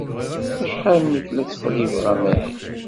Acḥal nekk la ttqellibeɣ amahil.